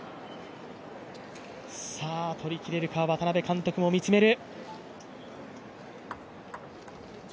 取りきれるか、渡辺監督も見つめる。